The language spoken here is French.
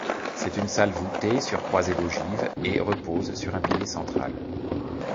C'est une salle voûtée sur croisée d'ogives et repose sur un pilier central.